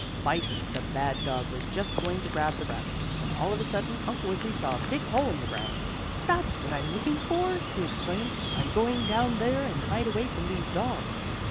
Biter, the bad dog, was just going to grab the rabbit, when all of a sudden, Uncle Wiggily saw a big hole in the ground. "That's what I'm looking for!" he exclaimed. "I'm going down there, and hide away from these dogs!"